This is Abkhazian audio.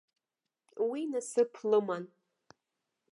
Уи насыԥ лыман.